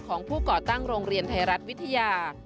ของผู้ก่อตั้งโรงเรียนไทยรัฐวิทยา